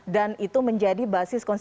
dan itu menjadi basis